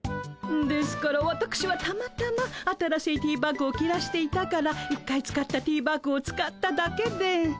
ですからわたくしはたまたま新しいティーバッグを切らしていたから１回使ったティーバッグを使っただけで。